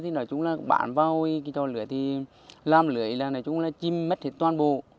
thì nói chung là bán vào cái trò lưới thì làm lưới là nói chung là chim mất hết toàn bộ